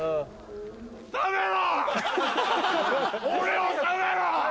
俺を食べろ！